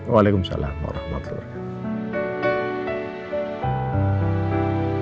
waalaikumsalam warahmatullahi wabarakatuh